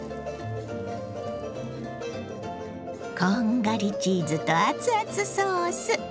こんがりチーズと熱々ソース。